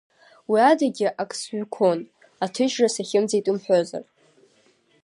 Уи адагьы ак зҩқәон, аҭыжьра сахьымӡеит умҳәозар.